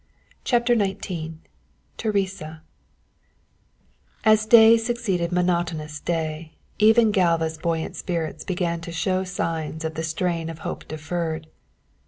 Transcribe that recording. CHAPTER XIX TERESA As day succeeded monotonous day, even Galva's buoyant spirits began to show signs of the strain of hope deferred.